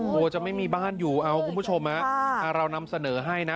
กลัวจะไม่มีบ้านอยู่เอาคุณผู้ชมเรานำเสนอให้นะ